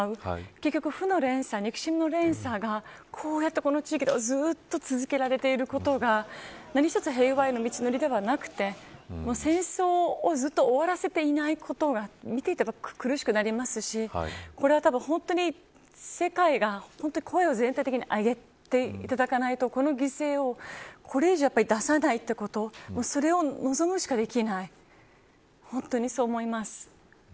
結局負の連鎖や憎しみの連鎖がこの地域ではずっと続けられているということが平和への道のりではなくて戦争を終わらせていないことが見ていて苦しくなりますしこれは本当に世界が全体的に声を上げていただかないとこの犠牲をこれ以上出さないことそれを望むしかできないそう思います。